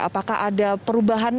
apakah ada perubahan